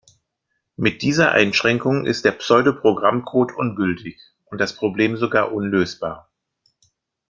Mit dieser Einschränkung ist der Pseudo-Programmcode ungültig und das Problem sogar unlösbar.